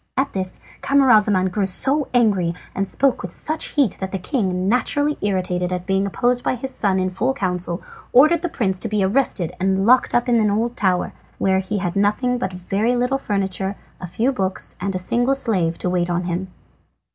At this Camaralzaman grew so angry and spoke with so much heat that the king, naturally irritated at being opposed by his son in full council, ordered the prince to be arrested and locked up in an old tower, where he had nothing but a very little furniture, a few books, and a single slave to wait on him.